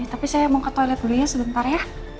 tapi saya mau ke toilet dulu ya sebentar ya